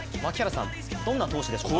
どんな投手でしょうか？